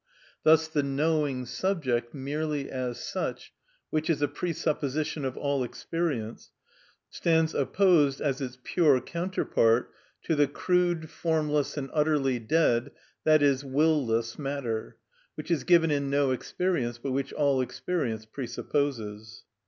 Thus the knowing subject, merely as such, which is a presupposition of all experience, stands opposed as its pure counterpart to the crude, formless, and utterly dead (i.e., will less) matter, which is given in no experience, but which all experience presupposes.